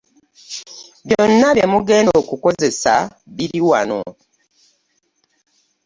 Byonna bye mugenda okukozesa biri wano.